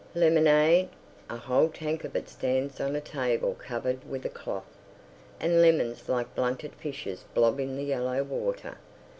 Lemonade! A whole tank of it stands on a table covered with a cloth; and lemons like blunted fishes blob in the yellow water.